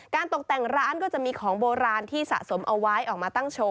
ตกแต่งร้านก็จะมีของโบราณที่สะสมเอาไว้ออกมาตั้งโชว